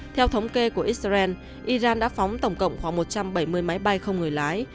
theo thống kê của israel iran đã phóng tổng cộng khoảng một trăm bảy mươi máy bay không người lái